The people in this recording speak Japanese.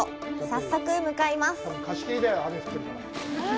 早速、向かいます。